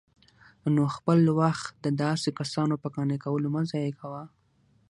نو خپل وخت د داسي كسانو په قانع كولو مه ضايع كوه